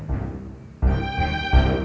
terima kasih bang